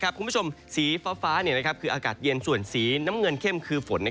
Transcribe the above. สีฟ้าคืออากาศเย็นส่วนสีน้ำเงินเข้มคือฝน